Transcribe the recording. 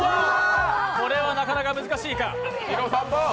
これはなかなか難しいか。